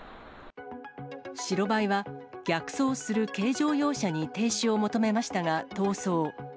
白バイは、逆走する軽乗用車に停止を求めましたが、逃走。